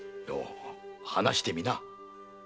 よお話してみな。